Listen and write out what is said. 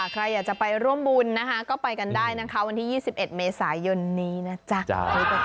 ใครอยากจะไปร่วมบุญนะคะก็ไปกันได้นะคะวันที่๒๑เมษายนนี้นะจ๊ะ